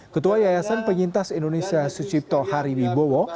ketua yayasan penyintas indonesia sucipto haribibowo